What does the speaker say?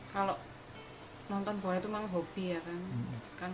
kalau nonton bola itu memang hobi ya kan